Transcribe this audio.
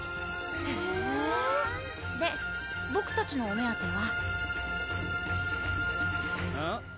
へぇでボクたちのお目当てはうん？